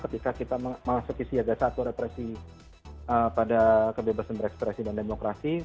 ketika kita memasuki siaga satu represi pada kebebasan berekspresi dan demokrasi